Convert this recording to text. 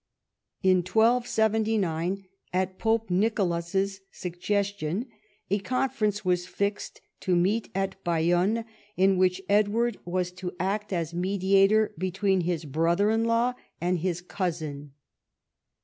In 1279, at Pope Nicolas's suggestion, a con ference was fixed to meet at Bayonne, in which Edward was to act as mediator between his brother in law and his cousin.